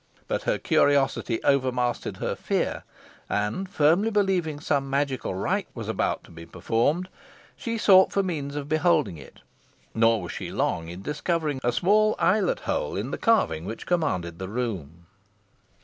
But her curiosity overmastered her fear, and, firmly believing some magical rite was about to be performed, she sought for means of beholding it; nor was she long in discovering a small eyelet hole in the carving which commanded the room.